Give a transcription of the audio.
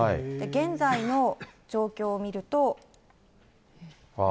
現在の状況を見ると。